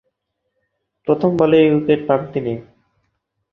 প্রথম বলেই উইকেট পান তিনি।